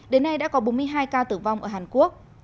đến nay đã có bốn mươi hai ca tử vong ở hàn quốc